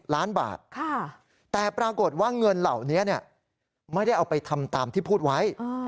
ล้านบาทแต่ปรากฏว่าเงินเหล่านี้ไม่ได้เอาไปทำตามที่พูดไว้